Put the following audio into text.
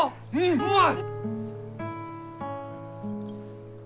うまい。